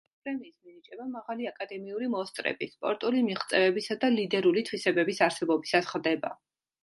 პრემიის მინიჭება მაღალი აკადემიური მოსწრების, სპორტული მიღწევებისა და ლიდერული თვისებების არსებობისას ხდება.